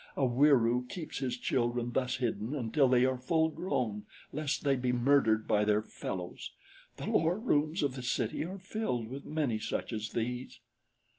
A Wieroo keeps his children thus hidden until they are full grown lest they be murdered by their fellows. The lower rooms of the city are filled with many such as these."